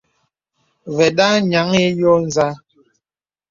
Və̀da nyaŋ ǐ yo nzâ.